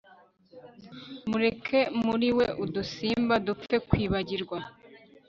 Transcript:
Mureke muri we udusimba dupfe kwibagirwa